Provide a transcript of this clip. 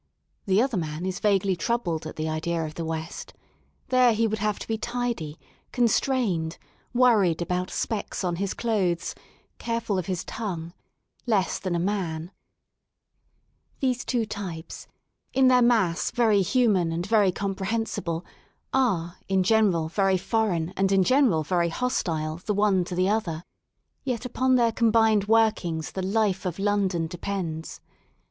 The other man is vaguely troubled at the idea of the West, There he would have to be tidy, constrained, worried about specks on his clothes, careful of his tongue, less than a man, ^H These two types, in their mass very human and very THE SOUL OF LONDON comprehensible, are in general very foreign and in general very hostile the one to the other. Yet upon their combined workings the life of London depends.